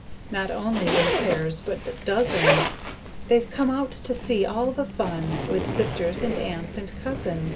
Not only in pairs but dozens; They've come out to see all the fun, With sisters and aunts and cousins.